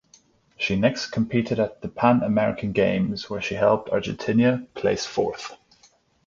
She next competed at the Pan American Games where she helped Argentina place fourth.